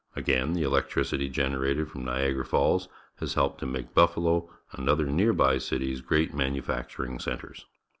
Again, the electri city generated from Niagara Falls has helped to make Buffalo and other near by cities great manufacturing centres.